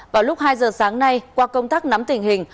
vào lúc hai giờ sáng nay qua công tác nắm tình hình